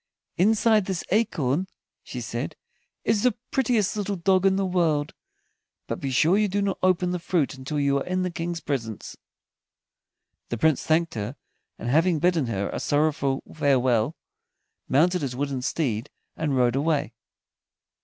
"Inside this acorn," she said, "is the prettiest little dog in the world. But be sure you do not open the fruit until you are in the King's presence." The Prince thanked her, and having bidden her a sorrowful farewell, mounted his wooden steed and rode away.